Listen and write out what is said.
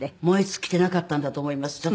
燃え尽きてなかったんだと思います